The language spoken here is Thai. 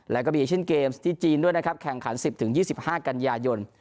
แล้วก็มีเอเชียนเกมส์ที่จีนด้วยนะครับแข่งขัน๑๐๒๕กันยายน